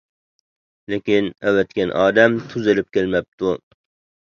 لېكىن، ئەۋەتكەن ئادەم تۇز ئېلىپ كەلمەپتۇ.